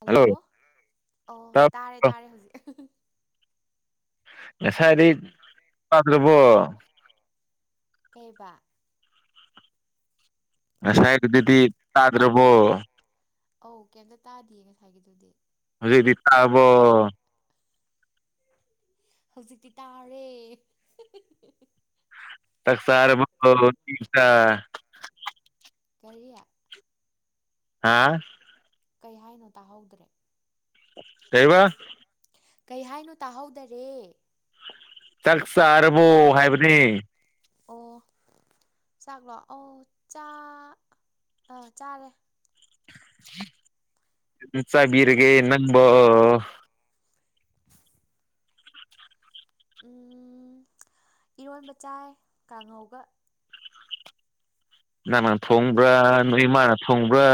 hello ꯑꯣ ꯇꯥꯔꯦ ꯇꯥꯕ꯭ꯔꯣ ꯇꯥꯔꯦ ꯍꯧꯖꯤꯛ ꯉꯁꯥꯏꯗꯤꯗ꯭ꯔꯕꯣ ꯀꯩꯕ ꯉꯁꯥꯏ ꯑꯗꯨꯗꯤ ꯇꯥꯗ꯭ꯔꯕꯣ ꯑꯧ ꯀꯩꯝꯇ ꯇꯥꯗꯌꯦ ꯉꯁꯥꯏꯒꯤꯗꯨꯗꯤ ꯍꯧꯖꯤꯛꯗꯤꯇꯥ ꯑꯕꯣ ꯍꯧꯖꯤꯛꯇꯤ ꯇꯥꯔꯦ ꯇꯛꯁꯔꯕꯨꯁ ꯀꯔꯤꯌꯥ ꯍꯥꯥ ꯀꯩ ꯍꯥꯏꯅꯣ ꯇꯥꯍꯧꯗ꯭ꯔꯦ ꯀꯩꯕ ꯀꯩ ꯍꯥꯏꯅꯣ ꯇꯥꯍꯧꯗꯔꯦ ꯆꯥꯛ ꯆꯥꯔꯕꯣ ꯍꯥꯏꯕꯅꯤ ꯑꯣ ꯆꯥꯛꯂꯣ ꯑꯧ ꯑꯥ ꯆꯥꯔꯦ ꯏꯟ ꯆꯕꯤꯔꯒꯦ ꯅꯪꯝꯕ ꯎꯝ ꯏꯔꯣꯟꯕ ꯆꯥꯏ ꯀꯥꯡꯉꯧꯒ ꯅꯪꯅ ꯊꯣꯡꯕ꯭ꯔꯥ ꯅꯣꯏ ꯏꯃꯥꯅ ꯊꯣꯡꯕ꯭ꯔꯥ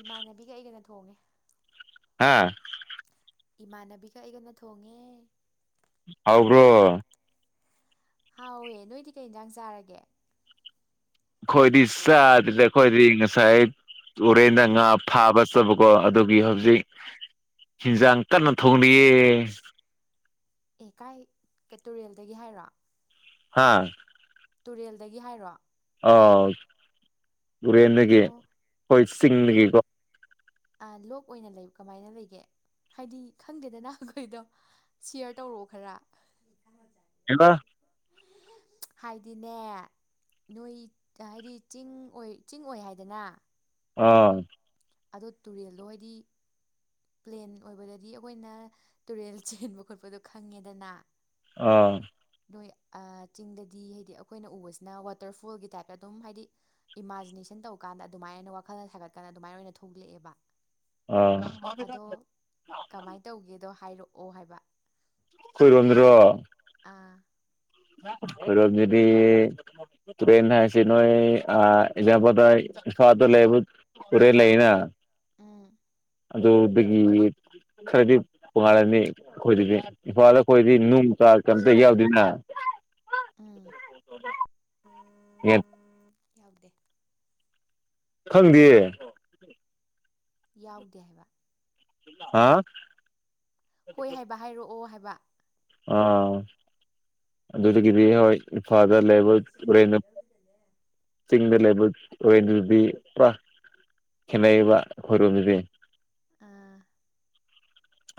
ꯏꯃꯥꯟꯅꯕꯤꯒ ꯑꯩꯒꯅ ꯊꯣꯡꯉꯦ ꯍꯥꯥ ꯏꯃꯥꯟꯅꯕꯤꯒ ꯑꯩꯒꯅ ꯊꯣꯡꯉꯦ ꯍꯥꯎꯕ꯭ꯔꯣ ꯍꯥꯎꯋꯦ ꯅꯣꯏꯗꯤ ꯀꯩ ꯌꯦꯟꯖꯥꯡ ꯆꯥꯔꯒꯦ ꯈꯣꯏꯗꯤ ꯆꯥꯗ꯭ꯔꯤꯗ ꯈꯣꯏꯗꯤ ꯉꯁꯥꯏ ꯇꯣꯔꯦꯟꯗ ꯉꯥ ꯐꯥꯕ ꯆꯕꯀꯣ ꯑꯗꯨꯒꯤ ꯍꯧꯖꯤꯛ ꯍꯤꯟꯁꯥꯡ ꯀꯟꯅ ꯊꯣꯡꯔꯤꯌꯦ ꯑꯦ ꯀꯥꯏ ꯀ ꯇꯨꯔꯦꯜꯗꯒꯤ ꯍꯥꯏꯔꯣ ꯍꯥꯥ ꯇꯨꯔꯦꯜꯗꯒꯤ ꯍꯥꯏꯔꯣ ꯑꯥꯎ ꯇꯨꯔꯦꯟꯗꯒꯤ ꯑꯣ ꯑꯩꯈꯣꯏ ꯆꯤꯡꯗꯒꯤꯀꯣ ꯑ ꯂꯣꯛ ꯑꯣꯏꯅ ꯂꯩꯕ ꯀꯃꯥꯏꯅ ꯂꯩꯒꯦ ꯍꯥꯏꯗꯤ ꯈꯪꯗꯦꯗꯅ ꯑꯩꯈꯣꯏꯗꯣ ꯁꯤꯌꯥꯔ ꯇꯧꯔꯛꯑꯣ ꯈꯔ ꯀꯩꯕ ꯍꯥꯏꯗꯤꯅꯦ ꯅꯣꯏ ꯍꯥꯏꯗꯤ ꯆꯤꯡ ꯑꯣꯏ ꯆꯤꯡ ꯑꯣꯏ ꯍꯥꯏꯗꯅ ꯑꯥ ꯑꯗ ꯇꯨꯔꯦꯜꯗꯣ ꯑꯣꯏꯗꯤ ꯄ꯭ꯂꯦꯟ ꯑꯣꯏꯕꯗꯗꯤ ꯑꯩꯈꯣꯏꯅ ꯇꯨꯔꯦꯜ ꯆꯦꯟꯕ ꯈꯣꯠꯄꯗꯣ ꯈꯪꯉꯦꯗꯅ ꯑꯥ ꯅꯣꯏ ꯑ ꯆꯤꯡꯗꯗꯤ ꯍꯥꯏꯗꯤ ꯑꯩꯈꯣꯏꯅ ꯎꯕꯁꯤꯅ ꯋꯥꯇꯔꯐꯣꯜꯒꯤ ꯇꯥꯏꯞꯇ ꯑꯗꯨꯝ ꯍꯥꯏꯗꯤ ꯏꯃꯥꯖꯤꯅꯦꯁꯟ ꯇꯧꯀꯥꯟꯗ ꯑꯗꯨꯃꯥꯏꯅ ꯋꯥꯈꯜꯅ ꯁꯥꯒꯠꯀꯥꯟꯗ ꯑꯗꯨꯃꯥꯏꯅ ꯑꯣꯏꯅ ꯊꯣꯛꯂꯛꯑꯦꯕ ꯑꯥ ꯑꯗꯣ ꯀꯃꯥꯏꯅ ꯇꯧꯒꯦꯗꯣ ꯍꯥꯏꯔꯛꯑꯣ ꯍꯥꯏꯕ ꯈꯣꯏꯔꯣꯝꯗꯔꯣ ꯑꯥ ꯈꯣꯏꯔꯣꯝꯗꯗꯤ ꯇꯨꯔꯦꯟ ꯍꯥꯏꯁꯤ ꯅꯣꯏ ꯑ ꯑꯦꯛꯖꯥꯝꯄꯜꯗ ꯏꯝꯐꯥꯜꯗ ꯂꯩꯕ ꯇꯨꯔꯦꯜ ꯂꯩꯅ ꯎꯝ ꯑꯗꯨꯗꯒꯤ ꯈꯔꯗꯤ ꯇꯣꯉꯥꯜꯂꯅꯤ ꯑꯩꯈꯣꯏꯗꯗꯤ ꯏꯝꯐꯥꯜꯗ ꯑꯩꯈꯣꯏꯗꯤ ꯅꯨꯡ ꯆꯥ ꯀꯩꯝꯇ ꯌꯥꯎꯗꯦꯅ ꯎꯝ [unintelligible] ꯌꯥꯎꯗꯦ ꯈꯪꯗꯦ ꯌꯥꯎꯗꯦ ꯍꯥꯏꯕ ꯍꯥ ꯍꯣꯏ ꯍꯥꯏꯕ ꯍꯥꯏꯔꯛꯑꯣ ꯍꯥꯏꯕ ꯑꯥ ꯑꯗꯨꯗꯒꯤꯗꯤ ꯍꯣꯏ ꯏꯝꯐꯥꯗ ꯂꯩꯕ ꯇꯨꯔꯦꯟ ꯆꯤꯡꯗ ꯂꯩꯕ [unintelligible] ꯗꯨꯗꯤ ꯄꯨꯔꯥ ꯈꯦꯠꯅꯩꯕ ꯑꯩꯈꯣꯏꯔꯣꯝꯗꯗꯤ ꯑꯥ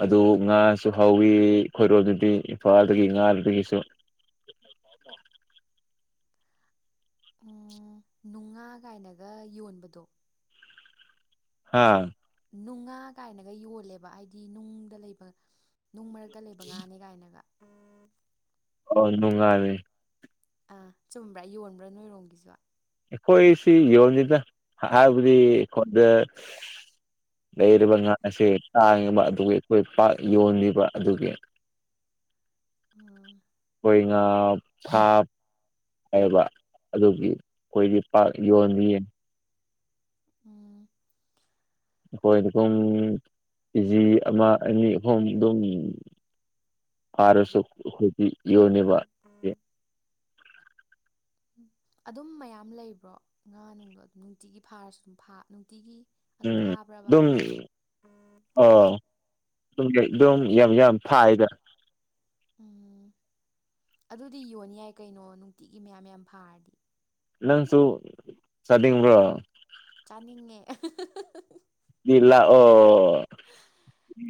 ꯑꯗꯨ ꯉꯥꯁꯨ ꯍꯧꯋꯤ ꯈꯣꯏꯔꯣꯝꯗꯨꯗꯤ ꯏꯝꯐꯥꯜꯗꯒꯤ ꯉꯥꯗꯨꯗꯒꯤꯁꯨ ꯎ ꯅꯨꯡꯉꯥ ꯀꯥꯏꯅꯒ ꯌꯣꯟꯕꯗꯣ ꯍꯥꯥ ꯅꯨꯡꯉꯥ ꯀꯥꯏꯅꯒ ꯌꯣꯜꯂꯦꯕ ꯍꯥꯏꯗꯤ ꯅꯨꯡꯗ ꯂꯩꯕ ꯅꯨꯡ ꯃꯔꯛꯇ ꯂꯩꯕ ꯉꯥꯅꯦ ꯀꯥꯏꯅꯒ ꯑꯣ ꯅꯨꯡꯉꯥꯅꯦ ꯑꯥ ꯆꯨꯝꯕ꯭ꯔꯥ ꯌꯣꯟꯕ꯭ꯔꯥ ꯅꯣꯏꯔꯣꯝꯒꯤꯁꯨ ꯑꯩꯈꯣꯏꯁꯤ ꯌꯣꯟꯅꯤꯗ ꯍꯥꯏꯕꯗꯤ ꯑꯩꯈꯣꯟꯗ ꯂꯩꯔꯤꯕ ꯉꯥꯁꯦ ꯇꯥꯡꯉꯤꯕ ꯑꯗꯨꯒꯤ ꯑꯩꯈꯣꯏ ꯄꯥꯛ ꯌꯣꯟꯂꯤꯕ ꯑꯗꯨꯒꯤ ꯑ ꯑꯩꯈꯣꯏ ꯉꯥ ꯐꯥꯞ ꯍꯥꯏꯕ ꯑꯗꯨꯒꯤ ꯑꯩꯈꯣꯏꯗꯤ ꯄꯥꯛ ꯌꯣꯟꯂꯤꯌꯦ ꯎꯝ ꯑꯩꯈꯣꯏꯗꯣ ꯄꯨꯡ ꯏꯤ ꯖꯤ ꯑꯃ ꯑꯅꯤ ꯑꯍꯨꯝ ꯑꯗꯨꯝ ꯐꯥꯔꯁꯨ ꯑꯩꯈꯣꯏꯗꯤ ꯌꯣꯟꯅꯤꯕ [unintelligible] ꯑꯗꯨꯝ ꯃꯌꯥꯝ ꯂꯩꯕ꯭ꯔꯣ ꯉꯥꯅꯨꯡꯗꯣ ꯑꯗꯨꯝ ꯅꯨꯡꯇꯤꯒꯤ ꯐꯥꯔꯁꯨ ꯑꯗꯨꯝ ꯐꯥ ꯅꯨꯡꯇꯤꯒꯤ ꯑꯗꯨꯝ ꯎꯝ ꯐꯥꯕ꯭ꯔꯕ ꯑꯗꯨꯝ ꯑꯣ [unintelligible] ꯑꯗꯨꯝ ꯌꯥꯝ ꯌꯥꯝ ꯐꯥꯏꯗ ꯎꯝ ꯑꯗꯨꯗꯤ ꯌꯣꯟ ꯌꯥꯏ ꯀꯩꯅꯣ ꯅꯨꯡꯇꯤꯒꯤ ꯃꯌꯥꯝ ꯃꯌꯥꯝ ꯐꯥꯔꯗꯤ ꯅꯪꯁꯨ ꯆꯥꯅꯤꯡꯕ꯭ꯔꯣ ꯆꯥꯅꯤꯡꯉꯦ [unintelligible] [unintelligible] ꯂꯥꯛꯑꯣ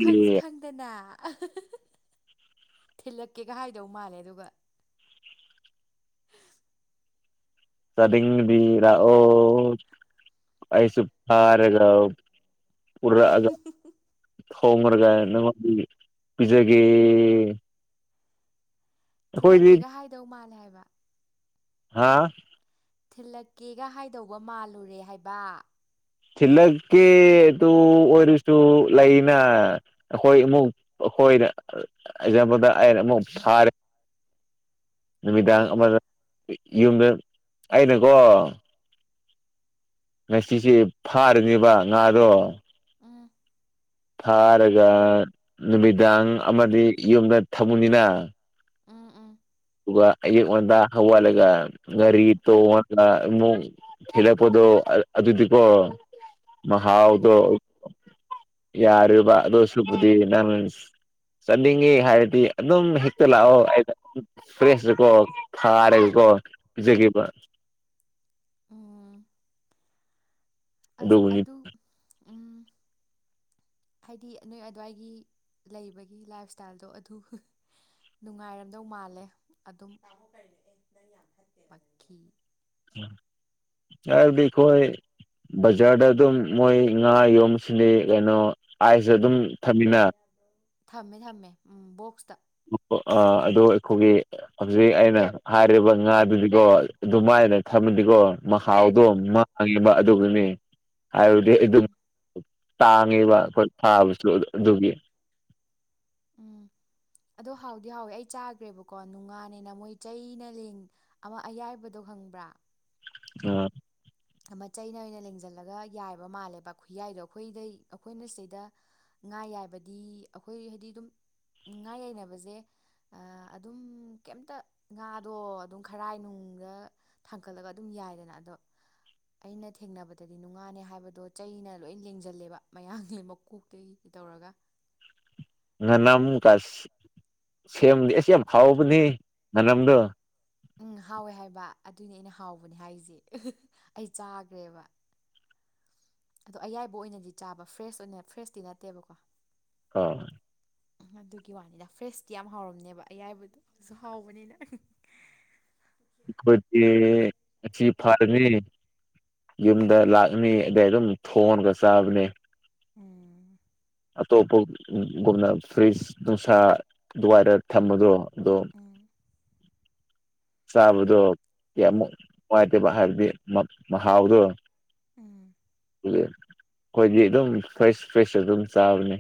ꯈꯪꯖꯨ ꯈꯪ ꯗꯅ ꯊꯤꯜꯂꯛꯀꯦꯒ ꯍꯥꯏꯗꯧ ꯃꯥꯜꯂꯦ ꯑꯗꯨꯒ ꯆꯥꯅꯤꯡꯉꯗꯤ ꯂꯥꯛꯑꯣ ꯑꯩꯁꯨ ꯐꯔꯣꯂꯥꯎ ꯄꯨꯔꯛꯑꯒ ꯊꯣꯡꯔꯒ ꯅꯪꯉꯣꯟ ꯄꯤꯖꯒꯦ ꯑꯩꯈꯣꯏꯗꯤ ꯊꯤꯜꯂꯛꯀꯦꯒ ꯍꯥꯏꯗꯧ ꯃꯥꯜꯂꯦ ꯍꯥꯏꯕ ꯍꯥꯥ ꯊꯤꯜꯂꯛꯀꯦꯒ ꯍꯥꯏꯗꯧꯕ ꯃꯥꯜꯂꯨꯔꯦ ꯍꯥꯏꯕ ꯊꯤꯜꯂꯛꯀꯦ ꯑꯗꯨ ꯑꯣꯏꯔꯁꯨ ꯂꯩꯅ ꯑꯩꯈꯣꯏ ꯑꯃꯨꯛ ꯑꯩꯈꯣꯏꯅ ꯑꯦꯛꯖꯥꯝꯄꯜꯗ ꯑꯩꯅ ꯑꯃꯨꯛ ꯐꯔꯦ ꯅꯨꯃꯤꯗꯥꯡ ꯀꯩꯕ ꯑꯃꯗ ꯌꯨꯝꯗ ꯑꯩꯅꯀꯣ ꯉꯁꯤꯁꯦ ꯐꯥꯔꯅꯦꯕ ꯉꯥꯗꯣ ꯑꯥ ꯐꯥꯔꯒ ꯅꯨꯃꯤꯗꯥꯡ ꯑꯃꯗꯤ ꯌꯨꯝꯗ ꯊꯝꯃꯨꯅꯤꯅ ꯎꯝ ꯎꯝ ꯑꯗꯨꯒ ꯑꯌꯨꯛ ꯉꯟꯇꯥ ꯍꯧꯒꯠꯂꯒꯥ ꯒꯥꯔꯤ ꯇꯣꯡꯉ ꯑꯥ ꯑꯃꯨꯛ ꯊꯤꯜꯂꯛꯄꯗꯣ ꯑ ꯑꯗꯨꯗꯤꯀꯣ ꯎꯝ ꯃꯍꯥꯎꯗꯣ ꯌꯥꯔꯤꯕ ꯑꯗꯣꯏꯁꯨꯛꯄꯨꯗꯤ ꯅꯪ ꯆꯠꯅꯤꯡꯉꯦ ꯍꯥꯏꯔꯗꯤ ꯑꯗꯨꯝ ꯍꯦꯛꯇ ꯂꯥꯛꯑꯣ ꯑꯩꯒ ꯐ꯭ꯔꯦꯁꯇꯀꯣ ꯐꯥꯔꯒꯀꯣ ꯄꯤꯖꯒꯤꯕꯥ ꯎꯝ ꯑꯁ ꯑꯗꯨꯕꯨꯅꯤ ꯑꯗꯨ ꯎꯝ ꯍꯥꯏꯗꯤ ꯅꯣꯏ ꯑꯗꯨꯋꯥꯏꯒꯤ ꯂꯩꯕꯒꯤ ꯂꯥꯏꯞ ꯏꯁ꯭ꯇꯥꯏꯜꯗꯣ ꯑꯗꯨ ꯅꯨꯡꯉꯥꯏꯔꯝꯗꯧ ꯃꯥꯜꯂꯦ ꯑꯗꯨꯝ [unintelligible] ꯆꯜꯕꯤꯈꯣꯏ ꯕꯖꯥꯔꯗ ꯑꯗꯨꯝ ꯃꯣꯏ ꯉꯥ ꯌꯣꯟ ꯁꯤꯅꯤ ꯀꯩꯅꯣ ꯑꯥꯢꯁ ꯑꯗꯨꯝ ꯊꯝꯃꯤꯅ [unintelligible] ꯊꯝꯃꯦ ꯊꯝꯃꯦ ꯎꯝ ꯕꯣꯛꯁꯇ ꯑꯥ ꯑꯗꯣ ꯑꯩꯈꯣꯏꯒꯤ ꯍꯧꯖꯤꯛ ꯑꯩꯅ ꯍꯥꯏꯔꯤꯕ ꯉꯥꯗꯨꯗꯤꯀꯣ ꯑꯗꯨꯃꯥꯏꯅ ꯊꯝꯃꯗꯤꯀꯣ ꯃꯍꯥꯎꯗꯣ ꯎꯝ ꯃꯥꯡꯉꯦꯕꯥ ꯑꯗꯨꯒꯤꯅꯤ ꯍꯥꯏꯕꯗꯤ ꯑꯗꯨꯝ ꯎꯝ ꯇꯥꯡꯉꯦꯕ ꯑꯩꯈꯣꯏ ꯐꯥꯕꯁꯨ ꯑꯗꯨꯒꯤ ꯎꯝ ꯑꯗꯣ ꯍꯥꯎꯗꯤ ꯍꯥꯎꯋꯦ ꯑꯩ ꯆꯥꯒ꯭ꯔꯦꯕꯀꯣ ꯅꯨꯡꯉꯥ ꯅꯤꯅ ꯃꯣꯏ ꯆꯩꯅ ꯂꯦꯡ ꯑꯃ ꯑꯌꯥꯏꯕꯗꯣ ꯈꯪꯕ꯭ꯔꯥ [unintelligible] ꯑꯃ ꯆꯩꯩꯅ ꯑꯣꯏꯅ ꯂꯦꯡꯁꯤꯜꯂꯒ ꯌꯥꯏꯕ ꯃꯥꯜꯂꯦꯕ ꯈꯨꯌꯥꯏꯗꯣ ꯑꯩꯈꯣꯏꯗꯩ ꯑꯩꯈꯣꯏꯅ ꯁꯤꯗ ꯉꯥ ꯌꯥꯏꯕꯗꯤ ꯑꯩꯈꯣꯏ ꯍꯥꯏꯗꯤ ꯑꯗꯨꯝ ꯉꯥ ꯌꯩꯅꯕꯁꯦ ꯑꯥ ꯑꯗꯨꯝ ꯀꯩꯝꯇ ꯉꯥꯗꯣ ꯑꯗꯨꯝ ꯈꯔꯥꯏꯅꯨꯡꯗ ꯊꯥꯡꯀꯠꯂꯒ ꯑꯗꯨꯝ ꯌꯥꯏꯗꯅ ꯑꯗꯣ ꯑꯩꯅ ꯊꯦꯡꯅꯕꯗꯗꯤ ꯅꯨꯡꯉꯥꯅꯤ ꯍꯥꯏꯕꯗꯣ ꯆꯩꯅ ꯂꯣꯏ ꯂꯦꯡꯁꯤꯜꯂꯦꯕ ꯃꯌꯥ ꯃꯀꯣꯛꯇꯒꯤ ꯇꯧꯔꯒ ꯉꯥꯅꯝ ꯀ ꯁꯦꯝꯕꯅꯤ ꯑꯁ ꯌꯥꯝ ꯍꯥꯎꯕꯅꯤ ꯉꯥꯅꯝꯗꯣ ꯎꯝ ꯍꯥꯎꯋꯦ ꯍꯥꯏꯕ ꯑꯗꯨꯏꯅꯦ ꯑꯩꯅ ꯍꯥꯎꯕꯅꯦ ꯍꯥꯏꯁꯦ ꯑꯩ ꯆꯥꯈ꯭ꯔꯦꯕ ꯑꯗꯣ ꯑꯌꯥꯏꯕ ꯑꯣꯏꯅꯗꯤ ꯆꯥꯕ ꯐ꯭ꯔꯦꯁ ꯑꯣꯏꯅ ꯐ꯭ꯔꯦꯁꯇꯤ ꯅꯠꯇꯦꯕꯀꯣ ꯑꯣ ꯑꯗꯨꯒꯤ ꯋꯥꯅꯤꯗ ꯐ꯭ꯔꯦꯁꯇꯤ ꯌꯥꯝ ꯍꯥꯎꯔꯝꯅꯦꯕ ꯑꯌꯥꯏꯕꯗꯣ ꯁꯨ ꯍꯥꯎꯕꯅꯤꯅ ꯑꯩꯈꯣꯏꯗꯤ ꯑꯁꯤ ꯐꯥꯔꯃꯤ ꯌꯨꯝꯗ ꯂꯥꯛꯑꯅꯤ ꯑꯗꯩ ꯑꯗꯨꯝ ꯊꯣꯟꯒ ꯆꯥꯕꯅꯦ ꯎꯝ ꯑꯇꯣꯞꯄꯒꯨꯝꯅ ꯐ꯭ꯔꯤꯖ ꯅꯨꯡꯁꯥ ꯑꯗꯨꯋꯥꯏꯗ ꯊꯝꯕꯗꯣ ꯑꯗꯣ ꯎꯝ ꯆꯥꯕꯗꯣ ꯀꯌꯥꯃꯨꯛ ꯅꯨꯡꯉꯥꯏꯇꯕ ꯍꯥꯏꯕꯗꯤ ꯃꯍꯥꯎꯗꯣ ꯎꯝ ꯑꯩꯈꯣꯏꯗꯤ ꯑꯗꯨꯝ ꯐ꯭ꯔꯦꯁ ꯐ꯭ꯔꯦꯁ ꯑꯗꯨꯝ ꯆꯥꯕꯅꯦ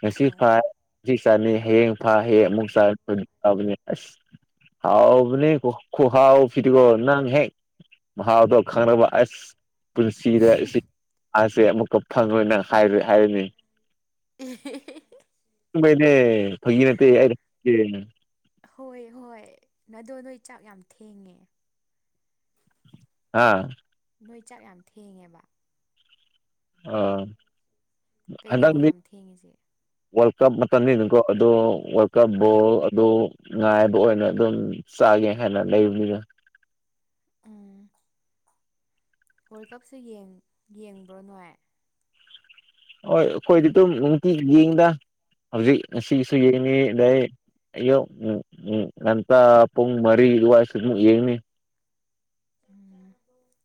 ꯉꯁꯤ ꯍꯣꯏ ꯐꯥꯏ ꯁꯤ ꯆꯅꯤ ꯍꯌꯦꯡ ꯐꯥꯏ ꯍꯥꯌꯦꯡ ꯑꯃꯨꯛ ꯆꯥ ꯐꯕꯅꯦ ꯑꯁ ꯍꯥꯎꯕꯅꯦ ꯀꯣ ꯈꯣꯍꯥꯎ ꯁꯤꯗꯤꯒꯣ ꯅꯪ ꯍꯦꯛ ꯃꯍꯥꯎꯗꯣ ꯈꯪꯉꯥꯕ ꯑꯁ ꯁꯤꯗ ꯁꯤ ꯉꯥꯁꯦ ꯑꯃꯨꯛꯀ ꯐꯪꯉꯣꯏꯅ ꯍꯥꯏꯔꯣꯏ ꯍꯥꯏꯔꯤꯅꯦ ꯍꯦ ꯍꯦ ꯑꯁꯦꯡꯕꯒꯤꯅꯦ ꯐꯥꯒꯤ ꯅꯠꯇꯦ ꯑꯩꯅꯥ ꯍꯥꯏꯁꯦ ꯍꯣꯏ ꯍꯣꯏ ꯅꯗꯣ ꯅꯣꯏ ꯆꯥꯛ ꯌꯥꯝ ꯊꯦꯡꯉꯦ ꯍꯥ ꯅꯣꯏ ꯆꯥꯛ ꯌꯥꯝ ꯊꯦꯡꯉꯦꯕ ꯑꯣ ꯀꯩꯒꯤꯅꯣ ꯍꯟꯗꯛꯗꯤ ꯌꯥꯝ ꯊꯦꯡꯉꯤꯁꯦ ꯋꯥꯔꯜ ꯀꯞ ꯃꯇꯝꯅꯤꯅꯥꯀꯣ ꯑꯗꯨ ꯋꯥꯔꯜ ꯀꯞ ꯕꯣꯜ ꯑꯗꯨ ꯉꯥꯏꯕ ꯑꯣꯏꯅ ꯑꯗꯨꯝ ꯆꯥꯒꯦ ꯍꯥꯏꯅ ꯂꯩꯕꯅꯤꯅ ꯎꯝ ꯍꯣꯏ ꯀꯞꯁꯨ ꯌꯦꯡꯕ꯭ꯔꯣꯅꯣ ꯍꯣꯏ ꯑꯩꯈꯣꯏꯗꯤ ꯑꯗꯨꯝ ꯅꯨꯡꯇꯤꯒꯤ ꯌꯦꯡꯗ ꯍꯧꯖꯤꯛ ꯉꯁꯤꯁꯨ ꯌꯦꯡꯉꯤ ꯑꯗꯩ ꯑꯌꯣ ꯎꯝ ꯎꯝ ꯉꯟꯇꯥ ꯄꯨꯡ ꯃꯔꯤ ꯑꯗꯨꯋꯥꯏꯁꯨ ꯑꯃꯨꯛ ꯌꯦꯡꯅꯤ ꯎꯝ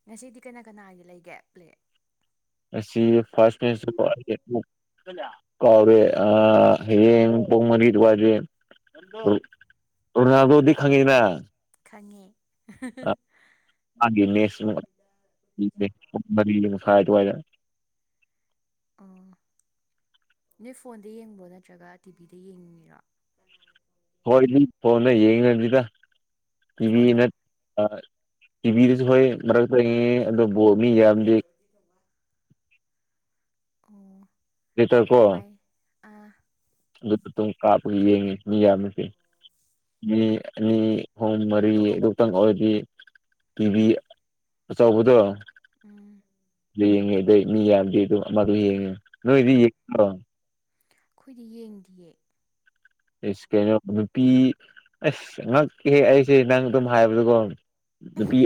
ꯉꯁꯤꯗꯤ ꯀꯅꯥ ꯀꯅꯥꯗꯤ ꯂꯩꯒꯦ ꯄ꯭ꯂꯦ ꯑꯁꯤ ꯐ ꯀꯥꯎꯔꯦ ꯑ ꯍ ꯄꯣ ꯃꯅꯤꯠ ꯋꯥꯖꯦ ꯔꯗꯣꯗꯤ ꯈꯉꯤꯅ ꯈꯪꯉꯦ ꯅꯨꯃꯤꯡ ꯃꯔꯤꯅ ꯁꯥꯏ ꯑꯗꯨꯋꯥꯏꯗ ꯑꯣ ꯅꯣꯏ ꯐꯣꯟꯗ ꯌꯦꯡꯕ꯭ꯔꯣ ꯅꯠꯇ꯭ꯔꯒ ꯇꯤꯚꯤꯗ ꯌꯦꯡꯅꯤꯔꯣ ꯍꯣꯏꯗꯤ ꯐꯣꯟꯗ ꯌꯦꯡꯗꯤꯗ ꯇꯤꯚꯤꯅ ꯐꯣꯟꯗ ꯇꯤꯚꯗꯁꯨ ꯍꯣꯏ ꯃꯔꯛꯇꯉ ꯑꯣꯕ ꯃꯤ ꯌꯥꯝꯗꯤ ꯕꯗꯤ ꯊꯣꯡꯕ ꯑꯣ ꯂꯤꯇꯔ ꯅꯣꯏ ꯀꯣ ꯀꯃꯥꯏ ꯑꯥ ꯑꯗꯨꯠꯇ ꯀꯥꯞꯄꯒ ꯌꯦꯡꯉꯤ ꯃꯤ ꯌꯥꯝꯃꯤꯁꯦ ꯃꯤ ꯃꯤ ꯍꯝ ꯃꯔꯤ ꯈꯤꯇꯪ ꯑꯣꯏꯔꯗꯤ ꯇꯤꯚꯤ ꯑꯆꯧꯕꯗꯣ ꯑꯥ ꯌꯦꯡꯉꯦ ꯑꯗꯨꯗꯩ ꯃꯤ ꯌꯥꯝꯗꯤꯦ ꯑꯗꯨ ꯃꯗꯨ ꯌꯦꯡꯉꯦ ꯅꯣꯏꯗꯤ ꯌꯦ꯭ꯔꯣ ꯑꯩꯈꯣꯏꯗꯤ ꯌꯦꯡꯗꯤꯌꯦ ꯏꯁꯁ ꯀꯩꯅꯣ ꯅꯨꯄꯤ ꯑꯁ ꯉꯛꯍꯦꯛ ꯑꯩꯁꯦ ꯅꯪ ꯑꯗꯨꯝ ꯍꯥꯏꯕꯗꯀꯣ ꯅꯨꯄꯤ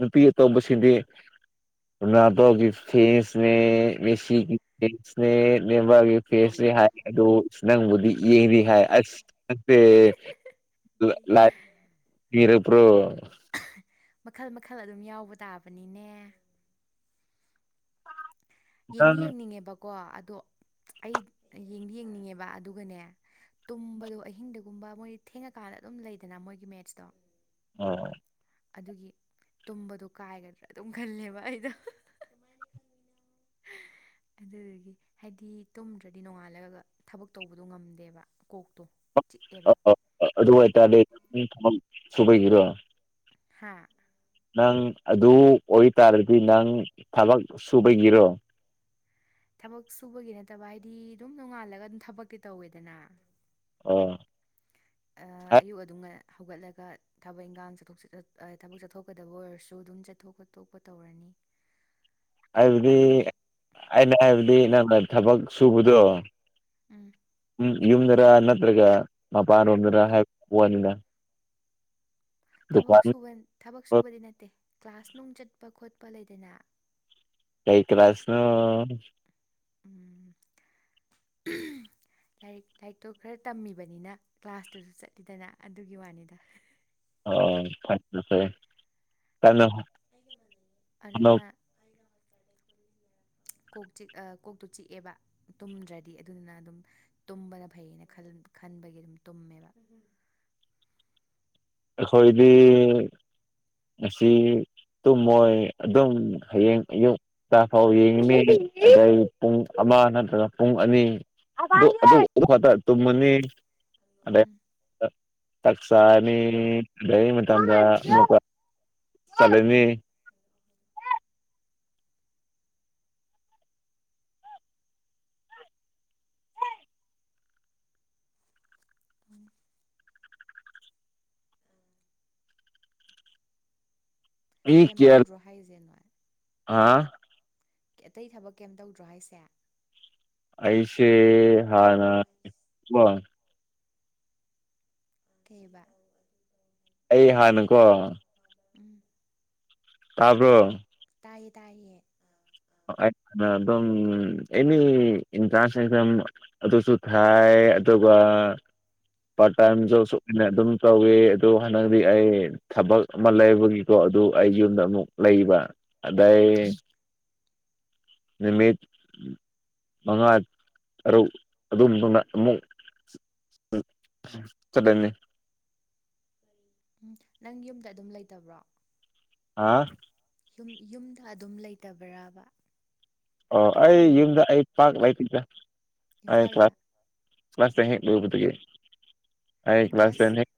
ꯅꯨꯄꯤ ꯑꯇꯧꯕꯁꯤꯗꯤꯅꯥꯗꯣꯒꯤ ꯐꯦꯁ ꯁꯅꯦ ꯁꯤꯒꯤ ꯏꯁꯅꯦꯠ ꯅꯦꯝꯕꯔꯒꯤ ꯐꯦꯁꯁꯤ ꯍꯥꯏ ꯑꯗꯨ ꯅꯪꯕꯨꯗꯤ ꯌꯦꯡꯗꯤ ꯍꯥꯏ ꯁꯦ ꯂꯔ ꯄꯨ꯭ꯔꯣ ꯃꯈꯜ ꯃꯈꯜ ꯑꯗꯨꯝ ꯌꯥꯎꯕ ꯇꯥꯕꯅꯤꯅꯦ ꯌꯦꯡꯗꯤ ꯅꯪ ꯌꯦꯡꯅꯤꯡꯉꯦꯕꯀꯣ ꯑꯗꯣ ꯑꯩ ꯌꯦꯡꯗꯤ ꯌꯦꯡꯅꯤꯡꯉꯦꯕ ꯑꯗꯨꯒꯅꯦ ꯇꯨꯝꯕꯗꯣ ꯑꯍꯤꯡꯗꯨꯒꯨꯝꯕ ꯃꯣꯏ ꯊꯦꯡꯉꯀꯥꯟꯗ ꯑꯗꯨꯝ ꯂꯩꯗꯅ ꯃꯣꯏꯒꯤ ꯃꯦꯠꯁꯇꯣ ꯑꯣ ꯑꯗꯨꯒꯤ ꯇꯨꯝꯕꯗꯣ ꯀꯥꯏꯒꯗ꯭ꯔꯥ ꯑꯗꯨꯝ ꯈꯜꯂꯦꯕ ꯑꯩꯗꯣ ꯑꯗꯨꯗꯒꯤ ꯍꯥꯏꯗꯤ ꯇꯨꯝꯗ꯭ꯔꯗꯤ ꯅꯣꯡꯉꯥꯜꯂꯒ ꯊꯕꯛ ꯇꯧꯕꯗꯣ ꯉꯝꯗꯦꯕ ꯀꯣꯛꯇꯣ ꯑ ꯆꯤꯛꯑꯦꯕ ꯑꯧ ꯑ ꯑꯗꯨ ꯑꯣꯏꯇꯥꯔꯗꯤ ꯊ ꯁꯨꯕꯒꯤꯔꯣ ꯍꯥꯥ ꯅꯪ ꯑꯗꯨ ꯑꯣꯏꯇꯥꯔꯗꯤ ꯅꯪ ꯊꯕꯛ ꯁꯨꯕꯒꯤꯔꯣ ꯊꯕꯛ ꯁꯨꯕꯒꯤ ꯅꯠꯇꯕ ꯍꯥꯏꯗꯤ ꯑꯗꯨꯝ ꯅꯣꯡꯉꯥꯜꯂꯒ ꯑꯗꯨꯝ ꯊꯕꯛꯇꯤ ꯇꯧꯋꯦꯗꯅ ꯑꯣ ꯑꯌꯨꯛ ꯑꯗꯨꯝ ꯍꯧꯒꯠꯂꯒ ꯊꯕꯛ ꯏꯪꯈꯥꯡ ꯆꯠꯊꯣꯛ ꯊꯕꯛ ꯆꯠꯊꯣꯛꯀꯗꯕ ꯑꯣꯏꯔꯁꯨ ꯑꯗꯨꯝ ꯆꯠꯊꯣꯛ ꯑꯇꯣꯞꯄ ꯇꯧꯔꯅꯤ ꯍꯥꯏꯕꯗꯤ ꯑꯗꯨ ꯑꯩꯅ ꯍꯥꯏꯕꯗꯤ ꯅꯪꯅ ꯊꯕꯛ ꯁꯨꯕꯗꯣ ꯎꯝ ꯌꯨꯝꯗꯔꯥ ꯅꯠꯇ꯭ꯔꯒ ꯃꯄꯥꯟ ꯔꯣꯝꯗꯔ ꯍꯥꯏꯕ ꯋꯥꯅꯤꯅ ꯁ ꯗꯨꯀꯥꯟ ꯊꯕꯛ ꯁꯨꯕꯗꯤ ꯅꯠꯇꯦ ꯀ꯭ꯂꯥꯁ ꯅꯨꯡ ꯆꯠꯄ ꯈꯣꯠꯄ ꯂꯩꯗꯅ ꯀꯩ ꯀ ꯀ꯭ꯂꯥꯁꯅꯣ ꯎꯝ ꯂꯥꯏꯔꯤꯛ ꯂꯥꯏꯔꯤꯛꯇꯣ ꯈꯔ ꯇꯝꯃꯤꯕꯅꯤꯅ ꯀ꯭ꯂꯥꯁꯇꯨꯁꯨ ꯆꯠꯂꯤꯗꯅ ꯑꯗꯨꯒꯤ ꯋꯥꯅꯤꯗ ꯑꯣ ꯊꯪꯁꯦ ꯍꯣꯠꯅꯧ ꯑꯗꯨꯅ ꯀꯣꯛ ꯆꯤꯛ ꯑ- ꯀꯣꯛꯇꯣ ꯆꯤꯛꯑꯦꯕ ꯇꯨꯝꯗ꯭ꯔꯗꯤ ꯑꯗꯨꯗꯨꯅ ꯑꯗꯨꯝ ꯇꯨꯝꯕꯅ ꯐꯩꯌꯦꯅ ꯈꯜ-ꯈꯟꯕꯒꯤ ꯑꯗꯨꯝ ꯇꯨꯝꯃꯦꯕ ꯑꯩꯈꯣꯏꯗꯤ ꯑꯁꯤ ꯇꯨꯝꯃꯣꯏ ꯑꯗꯨꯝ ꯍꯩꯌꯦꯡ ꯑꯌꯨꯛ [unintelligible] ꯐꯥꯎ ꯌꯦꯡꯒꯅꯤ ꯑꯗꯩ ꯄꯨꯡ ꯑꯃ ꯅꯠꯇ꯭ꯔꯒ ꯄꯨꯡ ꯑꯅꯤ ꯑꯗꯨ-ꯑꯗꯨ-ꯑꯗꯨꯈꯛꯇ ꯇꯨꯝꯑꯅꯤ ꯑꯗ ꯎꯝ ꯇꯛꯁꯥꯅꯤ ꯑꯗꯇꯗ ꯆꯠꯂꯅꯤ ꯎꯝ [inaudible] ꯀꯩꯝ [unintelligible] ꯇꯧꯗ꯭ꯔꯣ ꯍꯥꯏꯁꯦ ꯅꯣꯏ ꯍꯥ ꯑꯇꯩ ꯊꯕꯛ ꯀꯩꯝ ꯇꯧꯗ꯭ꯔꯣ ꯍꯥꯏꯁꯦ ꯑꯩꯁꯦ ꯍꯥꯥꯟꯅ ꯀꯣ ꯀꯩꯕ ꯑꯩ ꯍꯥꯟꯅꯀꯣ ꯎꯝ ꯇꯥꯕ꯭ꯔꯣ ꯇꯥꯏꯌꯦ ꯇꯥꯏꯌꯦ ꯑꯩꯅ ꯗꯨꯝ ꯑꯦꯅꯤ [unintelligible] ꯑꯗꯨꯁꯨ ꯊꯥꯏ ꯑꯗꯨꯒ ꯄꯥꯔꯠ ꯇꯥꯏꯝ ꯖꯣꯞꯁꯨ ꯑꯣꯏꯅ ꯑꯗꯨꯝ ꯇꯧꯋꯤ ꯑꯗꯣ ꯍꯟꯗꯛꯇꯤ ꯑꯩ ꯊꯕꯛ ꯑꯃ ꯂꯩꯕꯒꯤꯀꯣ ꯑꯗꯨ ꯑꯩ ꯌꯨꯝꯗ ꯑꯃꯨꯛ ꯂꯩꯕ ꯑꯗꯩ ꯅꯨꯃꯤꯠ ꯃꯉꯥ ꯇꯔꯨꯛ ꯑꯗꯨꯅ ꯑꯃꯨꯛ ꯆꯠꯂꯅꯤ ꯎꯝ ꯅꯪ ꯌꯨꯝꯗ ꯑꯗꯨꯝ ꯂꯩꯇꯕ꯭ꯔꯣ ꯑꯥ ꯌꯨꯝ-ꯌꯨꯝꯗ ꯑꯗꯨꯝ ꯂꯩꯇꯕ꯭ꯔꯕ ꯑꯣ ꯑꯩ ꯌꯨꯝꯗ ꯑꯩ ꯄꯥꯛ ꯂꯩꯇꯦꯗ ꯑꯩ ꯏꯝꯐꯥꯜꯗ ꯀ꯭ꯂꯥꯁ ꯀ꯭ꯂꯥꯁ ꯇꯦꯟ ꯍꯦꯛ ꯂꯣꯎꯕꯇꯒꯤ ꯑꯩ ꯀ꯭ꯂꯥꯁ ꯇꯦꯟ ꯍꯦꯛ